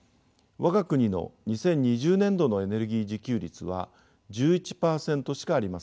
我が国の２０２０年度のエネルギー自給率は１１％しかありません。